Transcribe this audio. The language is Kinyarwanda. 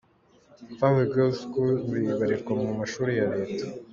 Fawe Girls School ubu ibarirwa mu mashuri ya leta.